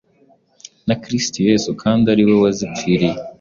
Ni Kristo Yesu, kandi ari we wazipfiriye;